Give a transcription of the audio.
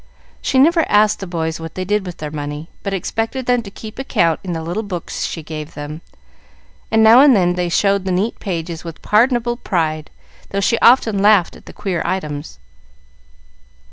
She never asked the boys what they did with their money, but expected them to keep account in the little books she gave them; and, now and then, they showed the neat pages with pardonable pride, though she often laughed at the queer items.